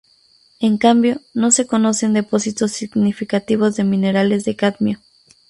En cambio, no se conocen depósitos significativos de minerales de cadmio.